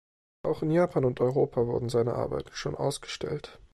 Auch in Japan und Europa wurden seine Arbeiten schon ausgestellt.